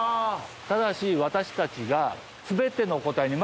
ただし私たちが。